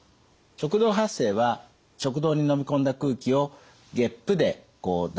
食道発声は食道にのみ込んだ空気をげっぷでこう出すと。